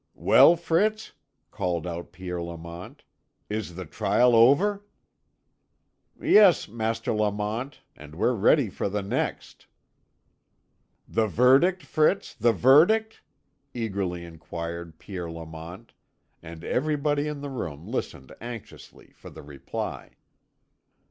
"Well, Fritz," called out Pierre Lamont, "is the trial over?" "Yes, Master Lamont, and we're ready for the next." "The verdict, Fritz, the verdict?" eagerly inquired Pierre Lamont, and everybody in the room listened anxiously for the reply.